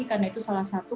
karena itu salah satu